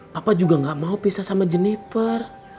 papa juga gak mau pisah sama jenniper